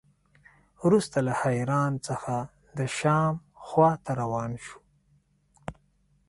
وروسته له حران څخه د شام خوا ته روان شو.